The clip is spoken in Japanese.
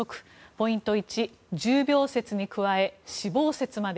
ポイント１重病説に加え死亡説まで。